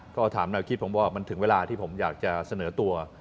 ก็ถามแนวคิดผมว่ามันถึงเวลาที่ผมอยากจะเสนอตัว